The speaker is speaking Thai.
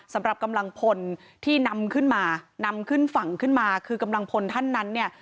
สำหรับกำลังพลที่นำขึ้นมานำขึ้นฝั่งขึ้นมาคือกำลังพลท่านนั้นเนี่ย